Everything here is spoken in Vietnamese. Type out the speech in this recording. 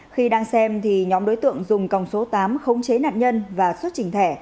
khi đang xem thì nhóm đối tượng dùng còng số tám khống chế nạn nhân và xuất trình thẻ